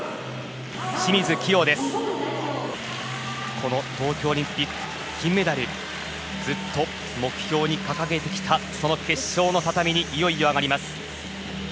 この東京オリンピック、金メダルずっと目標に掲げてきたその決勝の畳にいよいよ上がります。